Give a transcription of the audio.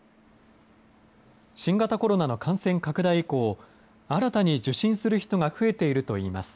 新型コロナの感染拡大以降、新たに受診する人が増えているといいます。